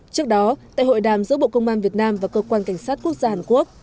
trước đó tại hội đàm giữa bộ công an việt nam và cơ quan cảnh sát quốc gia hàn quốc